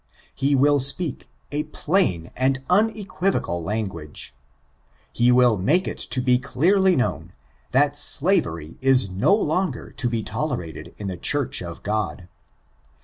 He will speak a plain and unequivocal language. He will make it to be clearly known, that slavery is no longer to be tolerated in the Church of God.